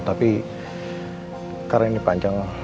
tapi karena ini panjang